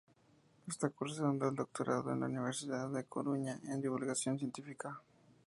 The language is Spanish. Está cursando el doctorado en la Universidad de la Coruña en divulgación científica.